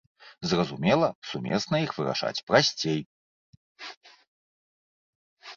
Зразумела, сумесна іх вырашаць прасцей.